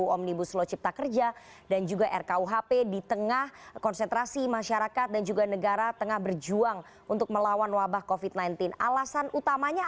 oke kita akan bertanya langsung kepada ketua